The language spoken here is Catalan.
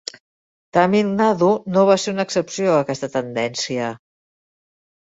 Tamil Nadu no va ser una excepció a aquesta tendència.